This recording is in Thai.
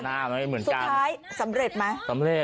สุดท้ายสำเร็จมะ